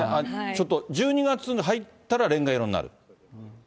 ちょっと１２月に入ったら、レンガ色になる？